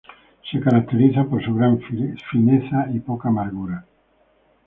Se caracteriza por su gran fineza y poca amargura.